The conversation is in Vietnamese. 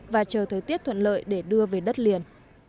và chờ thời tiết thuận lợi để đưa về đất liền